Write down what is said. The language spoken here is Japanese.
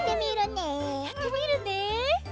やってみるね。